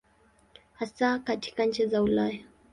Hasa katika nchi za Ulaya.